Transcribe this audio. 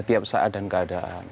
tiap saat dan keadaan